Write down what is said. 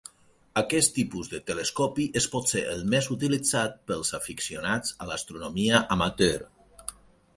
Aquest tipus de telescopi és potser el més utilitzat pels aficionats a l'astronomia amateur.